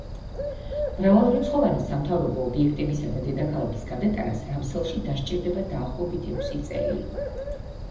მრავალრიცხოვანი სამთავრობო ობიექტებისა და დედაქალაქის გადატანას რამსელში დასჭირდება დაახლოებით ექვსი წელი.